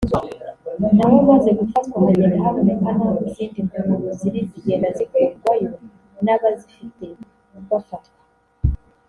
nawe amaze gufatwa hagenda haboneka n’aho izindi ngunguru ziri zigenda zikurwayo n’abazifite bafatwa